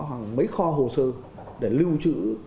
hoặc mấy kho hồ sơ để lưu trữ